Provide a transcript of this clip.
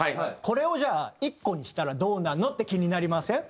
これをじゃあ１個にしたらどうなるのって気になりません？